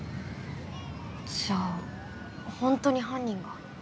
じゃあホントに犯人が？